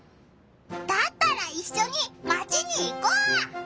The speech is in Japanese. だったらいっしょにマチに行こう！